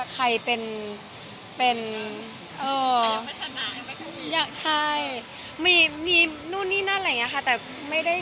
คุณเห็นวันหนี้หรือยังไง